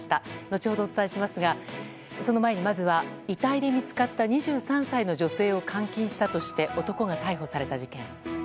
後ほどお伝えしますがその前に、まずは遺体で見つかった２３歳の女性を監禁したとして男が逮捕された事件。